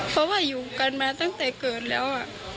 เพราะว่าอยู่กันมาตั้งแต่เกิดแล้ว